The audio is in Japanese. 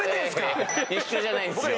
いやいや一緒じゃないんですよ